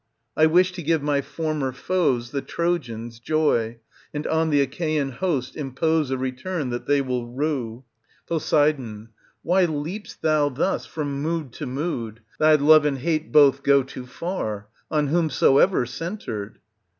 I wish to give my former foes, the Trojans, joy, and on the Achaean host impose a return that they will rue. Digitized by Google THE TROJAN WOMEN. 229 Pos. Why leap'st thou thus from mood to mood ? Thy love and hate both go too far, on whomsoever centred.